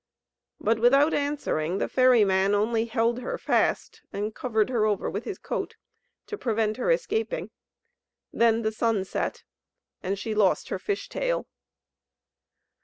But without answering, the ferry man only held her fast, and covered her over with his coat, to prevent her escaping. Then the sun set, and she lost her fish tail.